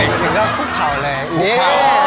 อยู่กับคู่ข่าวเลย